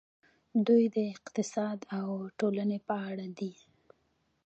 دوی د اقتصاد او ټولنې په اړه دي.